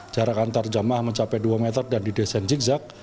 jarak antar jamah mencapai dua meter dan didesain zigzag